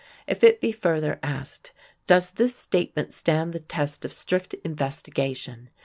If it be further asked: "Does this statement stand the test of strict investigation?"